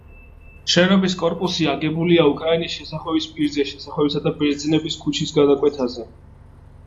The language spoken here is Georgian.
შენობის კორპუსი აგებულია უკრაინის შესახვევის პირზე, შესახვევისა და ბერძნების ქუჩის გადაკვეთაზე.